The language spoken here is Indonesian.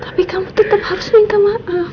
tapi kamu tetap harus minta maaf